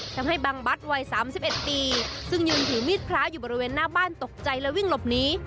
ทำให้บังบัตรวัย๓๑ปีซึ่งยืนถือมีดพระอยู่บริเวณหน้าบ้านตกใจและวิ่งหลบหนี